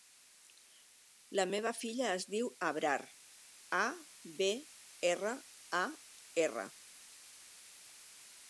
La meva filla es diu Abrar: a, be, erra, a, erra.